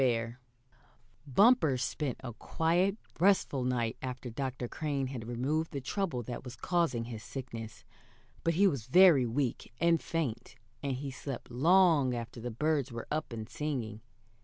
BEAR Bumper spent a quiet, restful night after Dr. Crane had removed the trouble that was causing his sickness; but he was very weak and faint, and he slept long after the birds were up and singing.